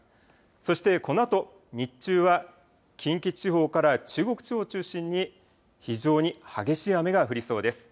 そしてこのあと、日中は近畿地方から中国地方を中心に、非常に激しい雨が降りそうです。